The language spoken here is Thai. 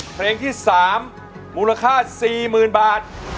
เพลงที่๓มูลค่า๔๐๐๐บาท